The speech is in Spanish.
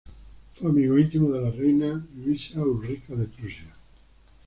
Fue amigo íntimo de la reina Luisa Ulrica de Prusia.